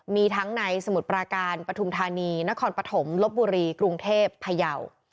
มีทั้งในสมุทรปราการปฐุมธานีนครปฐมลบบุรีกรุงเทพพยาว